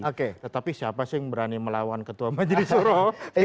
oke tetapi siapa sih yang berani melawan ketua majelis suro